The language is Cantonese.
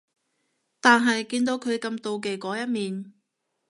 但係見到佢咁妒忌嗰一面